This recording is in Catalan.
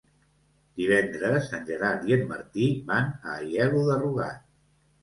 Divendres en Gerard i en Martí van a Aielo de Rugat.